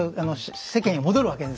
世間へ戻るわけですね。